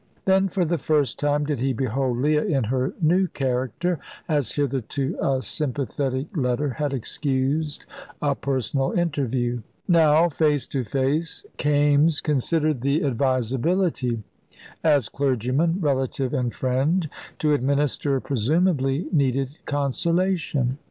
Then, for the first time, did he behold Leah in her new character, as hitherto a sympathetic letter had excused a personal interview. Now, face to face, Kaimes considered the advisability, as clergyman, relative, and friend, to administer presumably needed consolation.